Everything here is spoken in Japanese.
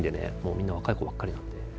みんな若い子ばっかりなんで。